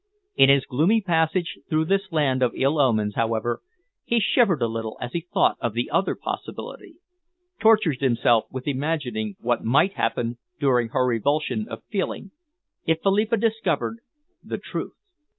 In his gloomy passage through this land of ill omens, however, he shivered a little as he thought of the other possibility tortured himself with imagining what might happen during her revulsion of feeling, if Philippa discovered the truth.